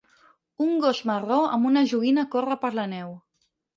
Un gos marró amb una joguina corre per la neu.